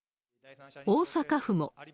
大阪府も。